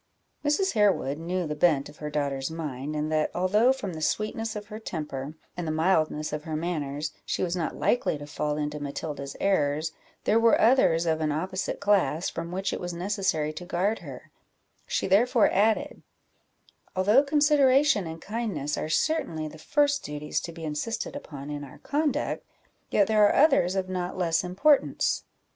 Mrs. Harewood knew the bent of her daughter's mind, and that although, from the sweetness of her temper and the mildness of her manners, she was not likely to fall into Matilda's errors, there were others of an opposite class, from which it was necessary to guard her; she therefore added "Although consideration and kindness are certainly the first duties to be insisted upon in our conduct, yet there are others of not less importance.